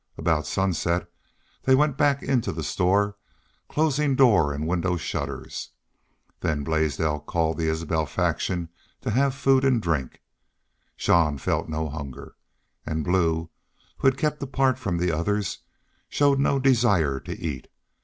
About sunset they went back into the store, closing door and window shutters. Then Blaisdell called the Isbel faction to have food and drink. Jean felt no hunger. And Blue, who had kept apart from the others, showed no desire to eat.